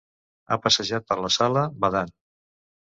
Ha passejat per la sala, badant.